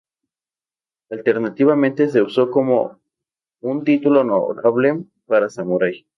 Alternativamente, se usó como un como un título honorable para Samurai.